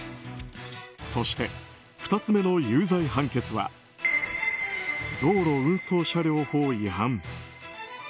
そして２つ目の有罪判決は道路運送車両法違反。